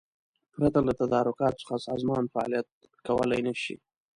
پرته له تدارکاتو څخه سازمان فعالیت کولای نشي.